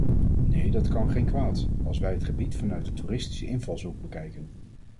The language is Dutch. Nee, dat kan geen kwaad, als wij het gebied vanuit een toeristische invalshoek bekijken!